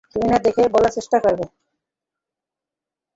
তুমি না দেখে বলার চেষ্টা করবে।